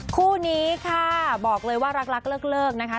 คู่นี้ค่ะบอกเลยว่ารักเลิกนะคะ